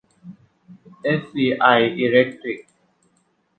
เอสซีไอ อีเลคตริค